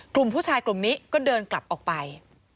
กลุ่มผู้ชายกลุ่มนี้ก็เดินกลับออกไป